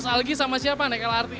algi sama siapa naik lrt